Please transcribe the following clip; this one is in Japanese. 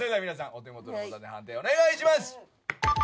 お手元のボタンで判定お願いします。